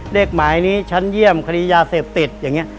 หมายนี้ชั้นเยี่ยมคดียาเสพติดอย่างนี้